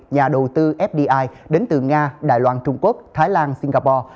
nhà đầu tư fdi đến từ nga đài loan trung quốc thái lan singapore